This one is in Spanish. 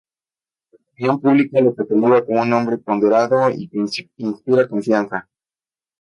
La opinión pública lo cataloga como un hombre ponderado y que inspira confianza.